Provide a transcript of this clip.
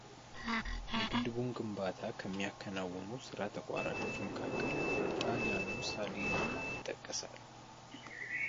የግድቡን ግንባታ ከሚያከናውኑ ሥራ ተቋራጮች መካከል የጣሊያኑ ሳሊኒ ይጠቀሳል።